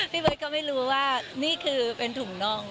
พี่เบิร์ตก็ไม่รู้ว่านี่คือเป็นถุงน่อง